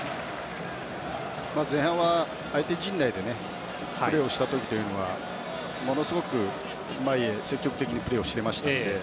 前半は相手陣内でプレーをした時はものすごく前へ積極的にプレーしていたので。